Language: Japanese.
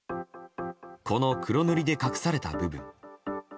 この黒塗りで隠された部分。